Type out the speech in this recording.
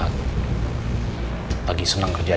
lagi seneng kerja di sana dia lagi ada proyek